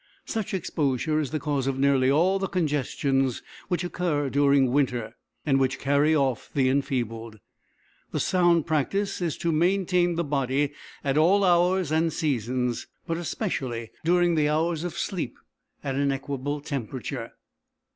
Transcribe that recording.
Such exposure is the cause of nearly all the congestions which occur during winter, and which carry off the enfeebled. The sound practice is to maintain the body, at all hours and seasons, but especially during the hours of sleep, at an equable temperature.